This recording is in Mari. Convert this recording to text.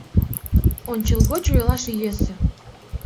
— Ончылгоч ойлаш йӧсӧ.